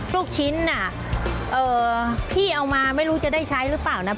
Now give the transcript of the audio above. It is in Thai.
ลูกชิ้นพี่เอามาไม่รู้จะได้ใช้หรือเปล่านะ